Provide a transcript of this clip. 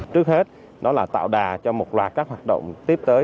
trước hết đó là tạo đà cho một loạt các hoạt động tiếp tới